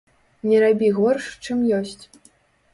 Не рабі горш, чым ёсць.